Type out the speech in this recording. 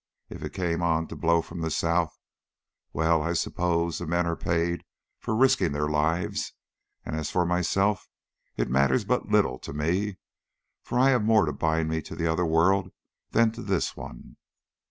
If it came on to blow from the south well, I suppose the men are paid for risking their lives, and as for myself it matters but little to me, for I have more to bind me to the other world than to this one.